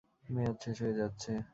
মেয়াদ শেষ হয়ে যাচ্ছে।